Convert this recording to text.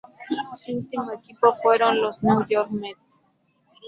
Su último equipo fueron los New York Mets.